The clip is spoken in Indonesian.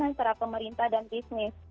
antara pemerintah dan bisnis